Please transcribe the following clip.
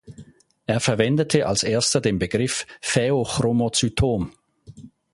Er verwendete als erster den Begriff Phäochromozytom.